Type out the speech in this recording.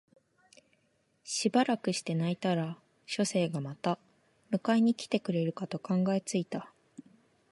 しばらくして泣いたら書生がまた迎えに来てくれるかと考え付いた